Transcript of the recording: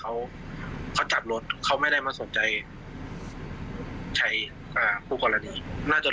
เขาเป็นแม่เลี้ยงเดี่ยวแล้วเขาต้องรับผิดชอบ